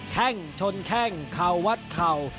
แค่งชนแข้งเข่าวัดเข่า